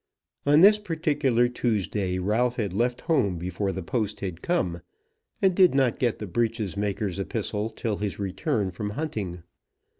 On this particular Tuesday, Ralph had left home before the post had come, and did not get the breeches maker's epistle till his return from hunting.